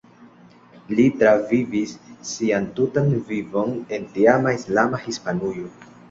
Li travivis sian tutan vivon en tiama islama Hispanujo.